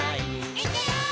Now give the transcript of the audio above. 「いくよー！」